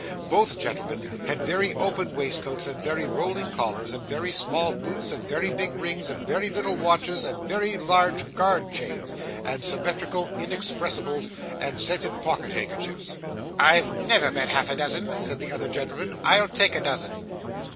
Both gentlemen had very open waistcoats and very rolling collars, and very small boots, and very big rings, and very little watches, and very large guard chains, and symmetrical inexpressibles, and scented pocket handkerchiefs. 'I never bet half a dozen!' said the other gentleman. 'I'll take a dozen.